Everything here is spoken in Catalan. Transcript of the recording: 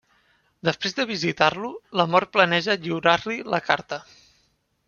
Després de visitar-lo, la mort planeja lliurar-li la carta.